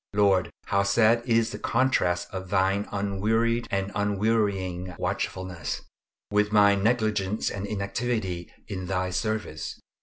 Lord, how sad is the contrast of Thine unwearied and unwearying watchfulness, with my negligence and inactivity in Thy service.